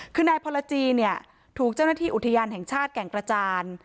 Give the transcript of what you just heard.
คือนายพรจีเนี่ยถูกเจ้าหน้าที่อุทยานแห่งชาติแก่งกระจาน